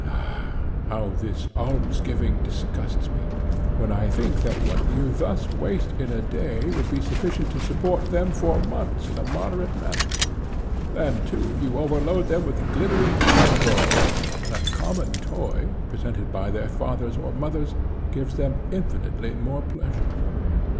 how this alms giving disgusts me, when I think that what you thus waste in a day would be sufficient to support them for months in a moderate manner. Then too you overload them with glittering gew gaws, when a common toy, presented by their fathers or mothers, gives them infinitely more pleasure.